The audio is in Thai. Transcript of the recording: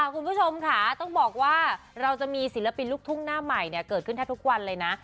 คุณผู้ชมค่ะต้องบอกว่าเราจะมีศิลปินลูกทุ่งหน้าใหม่เกิดขึ้นแทบทุกวันเลยนะ